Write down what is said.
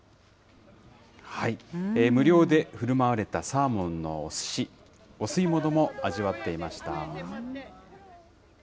無料でふるまわれたサーモンのすし、お吸い物も味わっていました。